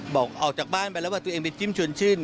บอกออกจากบ้านไปแล้วว่าตัวเองมันกินชื่น